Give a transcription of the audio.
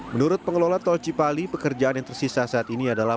menurut pengelola tol cipali pekerjaan yang tersisa saat ini adalah